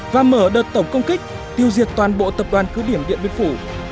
và mở đợt tổng công kích tiêu diệt toàn bộ tập đoàn cứ điểm điện biên phủ